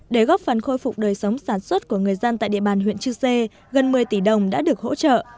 để góp phần khôi phục đời sống sản xuất của người dân tại địa bàn huyện chư sê gần một mươi tỷ đồng đã được hỗ trợ